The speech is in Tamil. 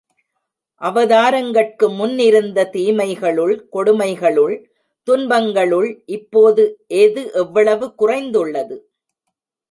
அவதாரங்கட்கு முன் இருந்த தீமைகளுள் கொடுமை களுள் துன்பங்களுள் இப்போது எது எவ்வளவு குறைந்துள்ளது?